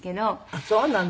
あっそうなの？